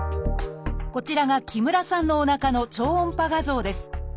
こちらが木村さんのおなかの超音波画像です。